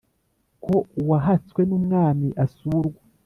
ko uwahatswe numwami asurwa